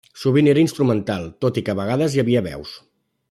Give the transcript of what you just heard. Sovint era instrumental, tot i que a vegades hi havia veus.